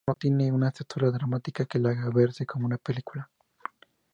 No tiene una estructura dramática que la haga verse como una película.